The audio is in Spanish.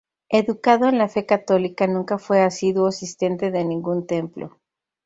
Educado en la fe católica, nunca fue asiduo asistente de ningún templo.